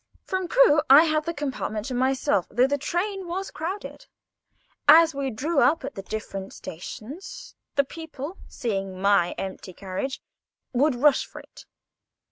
From Crewe I had the compartment to myself, though the train was crowded. As we drew up at the different stations, the people, seeing my empty carriage, would rush for it.